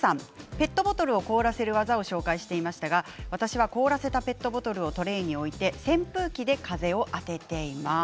ペットボトルを凍らせる技を紹介していましたが私は凍らせたペットボトルをトレーに置いて扇風機で風を当てています。